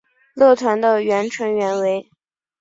乐团的原成员为。